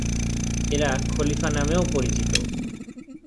এরা খলিফা নামেও পরিচিত।